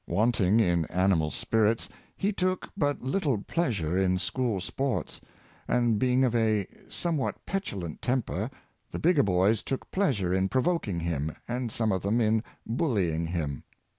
Wanting in animal spirits, he took but little pleasure in school sports; and being of a somewhat petulant temper, the bigger boys took pleas ure in provoking him, and some of them in bullying him.